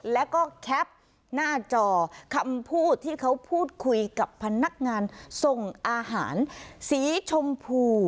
แล้วก็แคปหน้าจอคำพูดที่เขาพูดคุยกับพนักงานส่งอาหารสีชมพู